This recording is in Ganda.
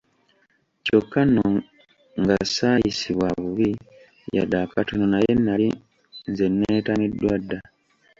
Kyokka nno nga ssaayisibwa bubi yadde akatono naye nali nze nneetamiddwa dda!